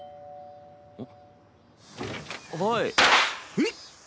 えっ！